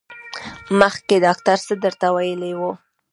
مخکې ډاکټر څه درته ویلي وو؟